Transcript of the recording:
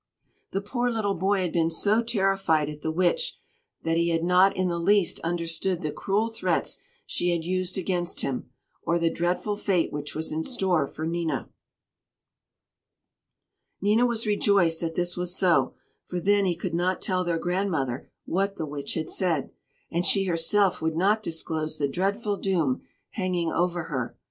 The poor little boy had been so terrified at the Witch that he had not in the least understood the cruel threats she had used against him, or the dreadful fate which was in store for Nina. [Illustration: NINA STOOD WITH ARMS AROUND HER LITTLE BROTHER. Page 178.] Nina was rejoiced that this was so; for then he could not tell their grandmother what the Witch had said, and she herself would not disclose the dreadful doom hanging over her.